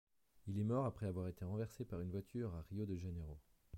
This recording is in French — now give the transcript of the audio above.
Il est mort après avoir été renversé par une voiture à Rio de Janeiro.